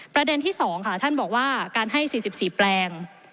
ประเด็นที่๒ค่ะท่านบอกว่าการให้๔๔แปลง